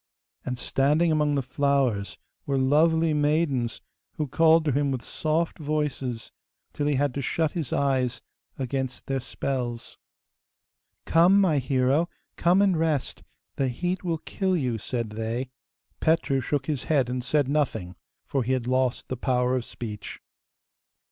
And standing among the flowers were lovely maidens who called to him in soft voices, till he had to shut his eyes against their spells. 'Come, my hero, come and rest; the heat will kill you,' said they. Petru shook his head and said nothing, for he had lost the power of speech.